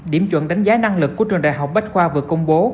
điểm chuẩn đánh giá năng lực của trường đại học bách khoa vừa công bố